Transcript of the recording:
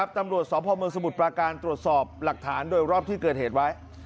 ตำรวจสพเมืองสมุทรปราการตรวจสอบหลักฐานโดยรอบที่เกิดเหตุไว้